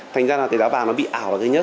thành ra là cái giá vàng nó bị ảo là cái nhất